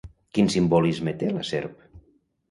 Quin simbolisme té la serp?